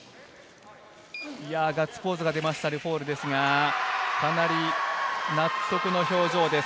ガッツポーズが出ましたルフォールですが、納得の表情です。